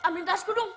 kamu minta as kudung